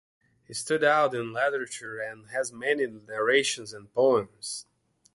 He stood out in literature and has many narrations and poems.